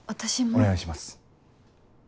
お願いします。